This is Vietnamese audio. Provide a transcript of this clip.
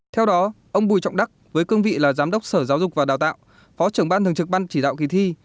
theo đó ông bùi trọng đắc với cương vị là giám đốc sở giáo dục và đào tạo phó trưởng ban thường trực ban chỉ đạo kỳ thi